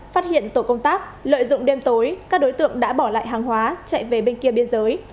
phát hiện tổ công tác lợi dụng đêm tối các đối tượng đã bỏ lại hàng hóa chạy về bên kia biên giới